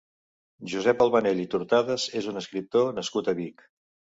Josep Albanell i Tortades és un escriptor nascut a Vic.